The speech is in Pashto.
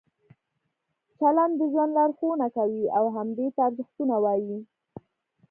چلند د ژوند لارښوونه کوي او همدې ته ارزښتونه وایي.